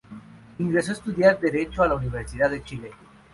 Ingresó a estudiar Derecho a la Universidad de Chile.